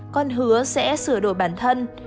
con hứa sẽ sửa đổi bản thân